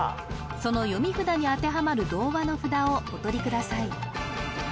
その読み札に当てはまる童話の札をおとりください